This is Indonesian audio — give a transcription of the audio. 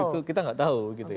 itu kita nggak tahu gitu ya